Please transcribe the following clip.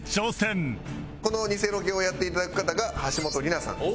このニセロケをやっていただく方が橋本梨菜さんです。